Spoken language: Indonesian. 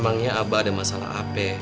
emangnya abah ada masalah ap